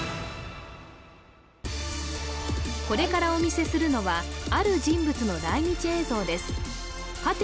これからお見せするのはある人物の来日映像です